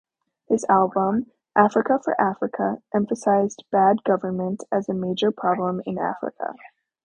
His album, "Africa for Africa," emphasized "Bad Governmen"t" as a major problem in Africa.